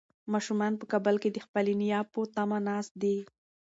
ماشومان په کابل کې د خپلې نیا په تمه ناست دي.